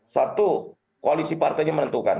satu koalisi partainya menentukan